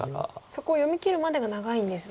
そこを読みきるまでが長いんですね。